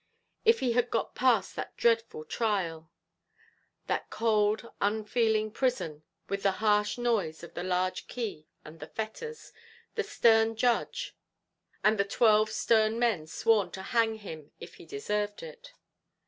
If he had got past that dreadful trial that cold unfeeling prison, with the harsh noise of the large key and the fetters, the stern judge, and the twelve stern men sworn to hang him if he deserved it!